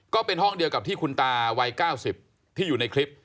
ก็เป็นห้องเดียวกับที่คุณตาวัย๙๐ที่อยู่ในคลิป